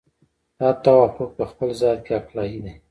دا توافق په خپل ذات کې عقلایي دی.